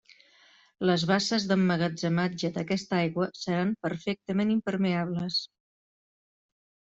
Les basses d'emmagatzematge d'aquesta aigua seran perfectament impermeables.